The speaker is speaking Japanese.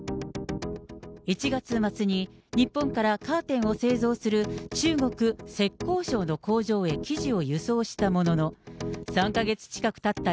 １月末に日本からカーテンを製造する中国・浙江省の工場へ生地を輸送したものの、３か月近くたった